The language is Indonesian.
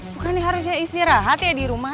bukan ya harusnya istirahat ya dirumah